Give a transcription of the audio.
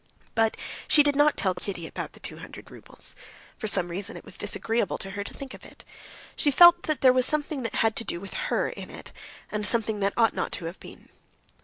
But she did not tell Kitty about the two hundred roubles. For some reason it was disagreeable to her to think of it. She felt that there was something that had to do with her in it, and something that ought not to have been.